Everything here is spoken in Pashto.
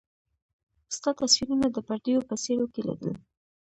ستا تصويرونه د پرديو په څيرو کي ليدل